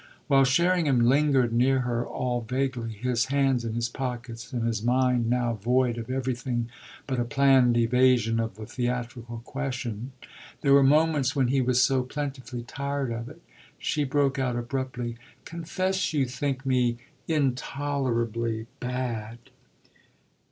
While Sherringham lingered near her all vaguely, his hands in his pockets and his mind now void of everything but a planned evasion of the theatrical question there were moments when he was so plentifully tired of it she broke out abruptly: "Confess you think me intolerably bad!"